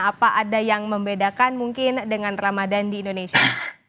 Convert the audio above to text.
apa ada yang membedakan mungkin dengan ramadan di indonesia